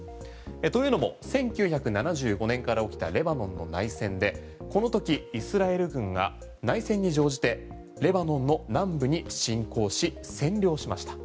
というのも１９７５年から起きたレバノンの内戦でこの時イスラエル軍が内戦に乗じてレバノンの南部に侵攻し占領しました。